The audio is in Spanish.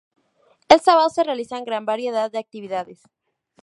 El sábado se realizan gran variedad de actividades.